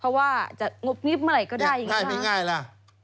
เพราะว่าจะงบนิบเมื่อไหร่ก็ได้อย่างนั้นนะครับ